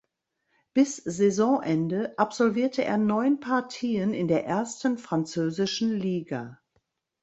Bis Saisonende absolvierte er neun Partien in der ersten französischen Liga.